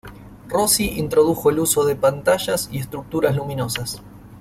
Rossi introdujo el uso de pantallas y estructuras luminosas.